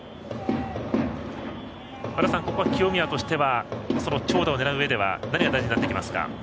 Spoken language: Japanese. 和田さん、清宮としては長打を狙ううえでは何が大事になってきますか。